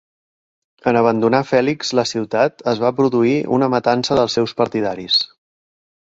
En abandonar Fèlix la ciutat es va produir una matança dels seus partidaris.